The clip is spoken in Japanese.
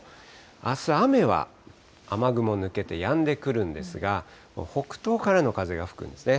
あす、雨は雨雲抜けてやんでくるんですが、北東からの風が吹くんですね。